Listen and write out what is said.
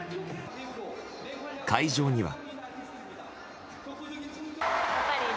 会場には。